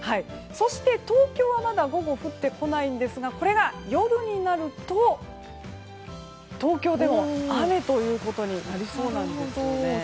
そして、東京は、まだ午後は降ってこないんですがこれが夜になると東京でも雨ということになりそうなんですよね。